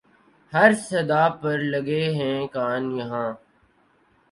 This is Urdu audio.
ہر صدا پر لگے ہیں کان یہاں